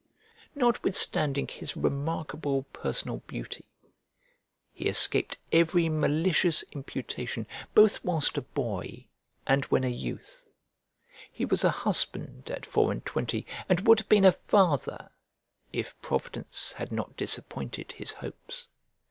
Notwithstanding his remarkable personal beauty, he escaped every malicious imputation both whilst a boy and when a youth: he was a husband at four and twenty, and would have been a father if Providence had not disappointed his hopes.